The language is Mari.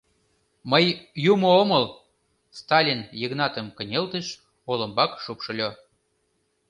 Мый Юмо омыл, — Сталин Йыгнатым кынелтыш, олымбак шупшыльо.